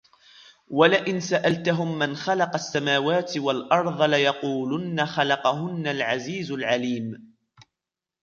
ولئن سألتهم من خلق السماوات والأرض ليقولن خلقهن العزيز العليم